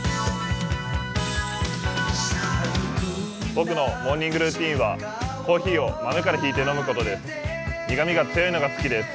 僕のモーニングルーティンはコーヒーを豆からひいて飲むことです。